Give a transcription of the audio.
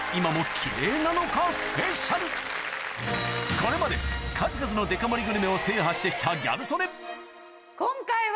これまで数々のデカ盛りグルメを制覇してきたギャル曽根